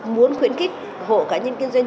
muốn khuyến khích hộ cá nhân kinh doanh